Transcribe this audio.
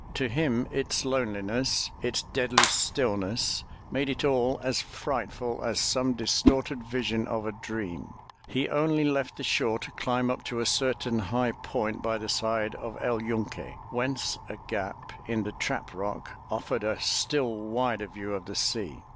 To him its loneliness, its deadly stillness, made it all as frightful as some distorted vision of a dream. He only left the shore to climb up to a certain high point by the side of El Yunque, whence a gap in the trap rock offered a still wider view of the sea.